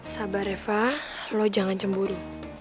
sabar eva lo jangan cemburu